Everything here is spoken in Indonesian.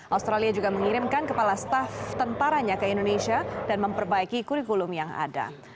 australia juga mengirimkan kepala staff tentaranya ke indonesia dan memperbaiki kurikulum yang ada